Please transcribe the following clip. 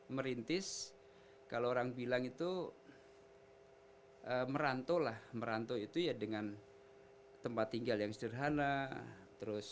berintis kalau orang bilang itu merantolah merantolah itu ya dengan tempat tinggal yang sederhana terus